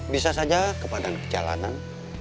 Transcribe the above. bisa saja kepadang kejalanan